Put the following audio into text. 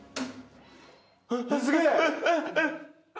すげえ。